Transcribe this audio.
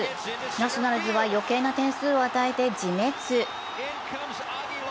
ナショナルズは余計な点数を与えて自滅。